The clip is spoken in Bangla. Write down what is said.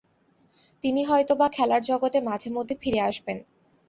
তিনি হয়তোবা খেলার জগতে মাঝে-মধ্যে ফিরে আসবেন।